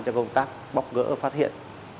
cho công tác bóc gỡ phát hiện